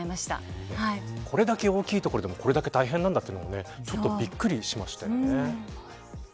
これだけ大きいところでもこれだけ大変なんだというのがちょっとびっくりしましたよね。